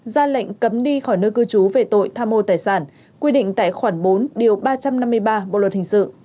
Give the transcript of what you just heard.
ra lệnh cấm đi khỏi nơi cư trú về tội tham mô tài sản quy định tại khoản bốn điều ba trăm năm mươi ba bộ luật hình sự